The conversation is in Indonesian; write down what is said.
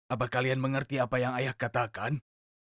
apa kalian mengerti apa yang ayah katakan